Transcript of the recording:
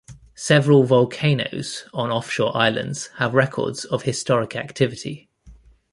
Several volcanoes on offshore islands have records of historic activity.